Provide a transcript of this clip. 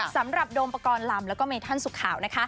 สำหรับโดมประกอบลำแทนสุขาว